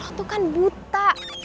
lo tuh kan buta